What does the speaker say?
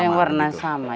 dengan warna yang sama